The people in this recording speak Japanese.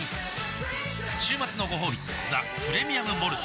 週末のごほうび「ザ・プレミアム・モルツ」